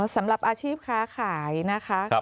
สำหรับอาชีพค้าขายนะคะ